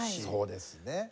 そうですね。